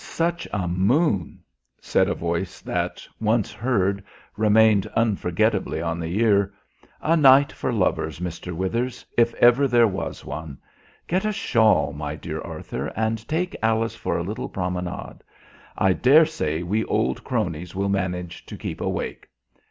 "Such a moon!" said a voice that, once heard, remained unforgettably on the ear. "A night for lovers, Mr. Withers, if ever there was one. Get a shawl, my dear Arthur, and take Alice for a little promenade. I dare say we old cronies will manage to keep awake.